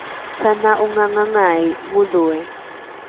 sana’ongangangai ngodhoi